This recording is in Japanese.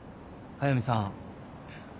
速見さん。